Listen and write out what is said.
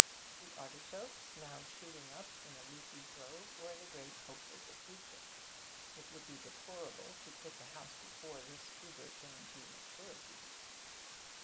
The artichokes, now shooting up into a leafy grove, were the great hope of the future. It would be deplorable to quit the house before this tuber came to maturity.